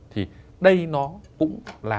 thì đây nó cũng là